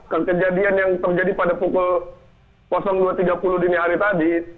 karena kejadian yang terjadi pada pukul dua tiga puluh dini hari tadi